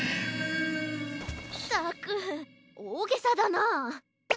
ったくおおげさだな。